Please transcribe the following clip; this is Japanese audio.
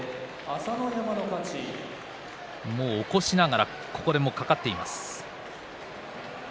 起こしながらここで掛かっています。